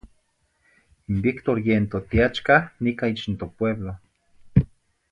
In Víctor yen totiachcah nicah ich n topueblo.